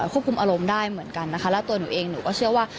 ควบคุมอารมณ์ได้เหมือนกันนะคะแล้วตัวหนูเองหนูก็เชื่อว่า